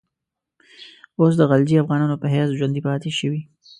اوس د غلجي افغانانو په حیث ژوندی پاته شوی.